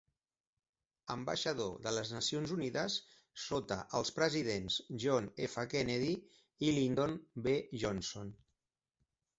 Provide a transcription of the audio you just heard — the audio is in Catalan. Ambaixador de les Nacions Unides sota els presidents John F. Kennedy i Lyndon B. Johnson.